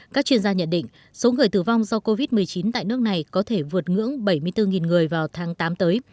các chuyên gia nhận định số người tử vong do covid một mươi chín tại nước này có thể vượt ngưỡng bảy mươi bốn người vào tháng tám tới